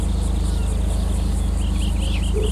hadithi zingine zote Utaratibu wa kijamii wa Ottoman